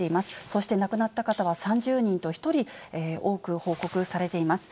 そして亡くなった方は３０人と、１人多く報告されています。